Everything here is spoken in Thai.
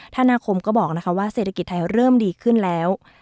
นาคมก็บอกว่าเศรษฐกิจไทยเริ่มดีขึ้นแล้ว